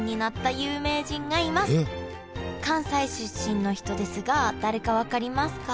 関西出身の人ですが誰か分かりますか？